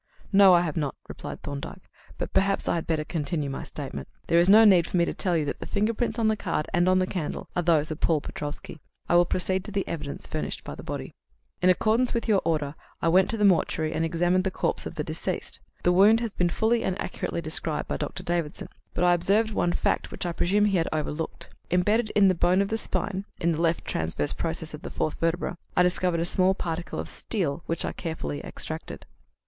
"No, I have not," replied Thorndyke. "But perhaps I had better continue my statement. There is no need for me to tell you that the fingerprints on the card and on the candle are those of Paul Petrofsky; I will proceed to the evidence furnished by the body. "In accordance with your order, I went to the mortuary and examined the corpse of the deceased. The wound has been fully and accurately described by Dr. Davidson, but I observed one fact which I presume he had overlooked. Embedded in the bone of the spine in the left transverse process of the fourth vertebra I discovered a small particle of steel, which I carefully extracted."